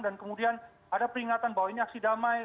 dan kemudian ada peringatan bahwa ini aksi damai